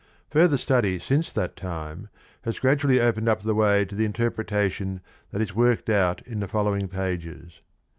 Further study since that time has gradually opened up the way to the interpreta tion that is worked out in the following pages.